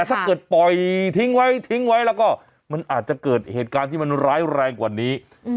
ถ้าเกิดปล่อยทิ้งไว้ทิ้งไว้แล้วก็มันอาจจะเกิดเหตุการณ์ที่มันร้ายแรงกว่านี้